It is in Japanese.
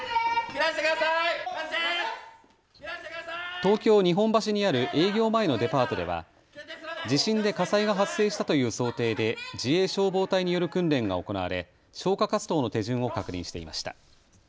東京日本橋にある営業前のデパートでは地震で火災が発生したという想定で自衛消防隊による訓練が行われ消火活動の手順を確認していました。